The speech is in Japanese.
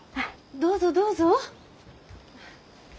どうぞどうぞ。